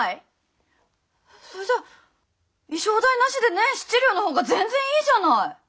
そいじゃ衣装代なしで年７両の方が全然いいじゃない。